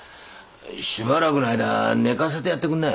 しばらくの間寝かせてやってくんな。